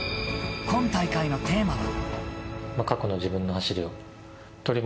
今大会のテーマは。